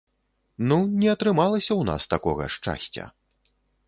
Ну, не атрымалася ў нас такога шчасця.